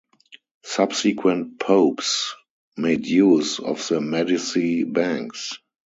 Subsequent Popes made use of the Medici banks.